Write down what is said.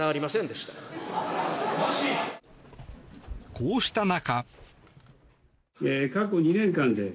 こうした中。